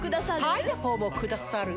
パイナポーもくださるぅ？